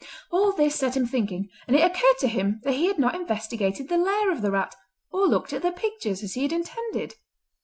All this set him thinking, and it occurred to him that he had not investigated the lair of the rat or looked at the pictures, as he had intended.